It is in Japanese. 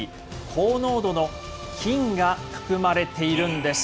高濃度の金が含まれているんです。